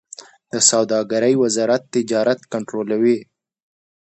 د سوداګرۍ وزارت تجارت کنټرولوي